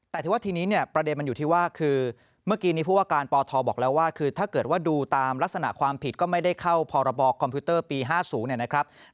แต่ทีนี้เนี่ยประเด็นมันอยู่ที่ว่าคือเมื่อกี้นี้ผู้ว่าการปทบอกแล้วว่าคือถ้าเกิดว่าดูตามลักษณะความผิดก็ไม่ได้เข้าพรบคอมพิวเตอร์ปี๕๐เนี่ยนะครับ